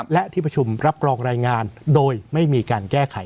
และที่ประชุมรับรองรายงานโดยไม่มีการแก้ไข